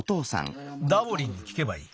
ダボリンにきけばいい。